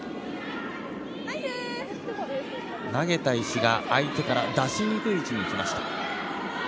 投げた石が相手から出しにくい位置に行きました。